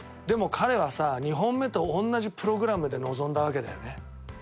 でも、彼はさ２本目と同じプログラムで臨んだわけだよね。